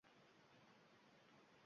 Ertalab va kechki payt sigir sog`adi